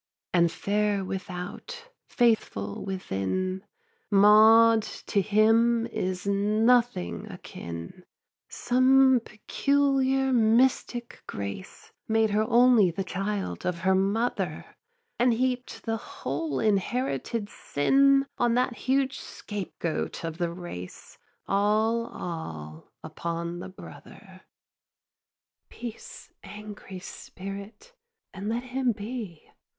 And fair without, faithful within, Maud to him is nothing akin: Some peculiar mystic grace Made her only the child of her mother, And heap'd the whole inherited sin On that huge scapegoat of the race, All, all upon the brother. 4. Peace, angry spirit, and let him be!